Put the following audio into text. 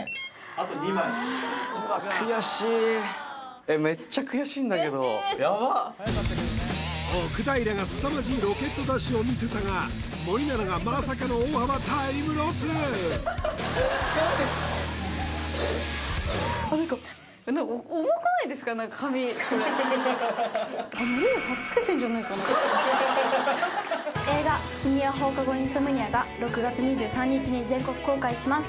あと２枚悔しいやばっ奥平がすさまじいロケットダッシュを見せたが森七菜がまさかの大幅タイムロス映画「君は放課後インソムニア」が６月２３日に全国公開します